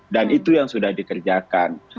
dan itu yang sudah dikerjakan